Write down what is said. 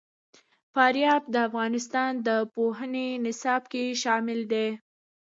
فاریاب د افغانستان د پوهنې نصاب کې شامل دي.